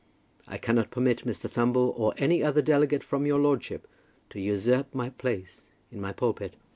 I cannot permit Mr. Thumble, or any other delegate from your lordship, to usurp my place in my pulpit.